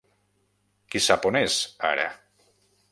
Qui sap on és, ara!